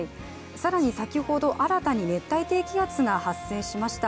更に先ほど、新たに熱帯低気圧が発生しました。